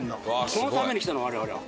このために来たの我々は。